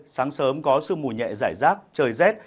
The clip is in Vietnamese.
sáng sớm có sương mù nhẹ giải rác trời rét